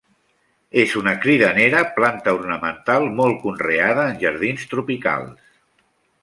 És una cridanera planta ornamental, molt conreada en jardins tropicals.